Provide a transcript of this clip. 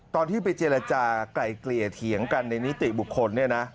ตอนที่ไปเจรจากลายเกลี่ยเถียงกันในนิติบุคคลเนี่ยนะ